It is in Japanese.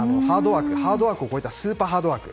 ハードワークを超えたスーパーハードワーク。